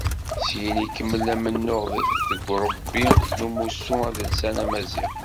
Syin ikemmel amennuɣ deg urebbi n umussu adelsan amaziɣ.